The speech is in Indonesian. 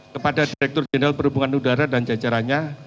kepada direktur jenderal perhubungan udara dan jajarannya